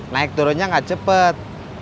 naik turunnya gak cepet